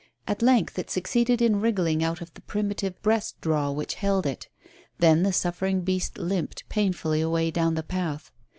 At length it succeeded in wriggling out of the primitive "breast draw" which held it. Then the suffering beast limped painfully away down the path.